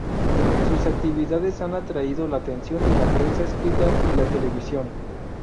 Sus actividades han atraído la atención de la prensa escrita y la televisión.